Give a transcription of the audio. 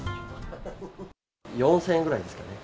４０００円ぐらいですかね。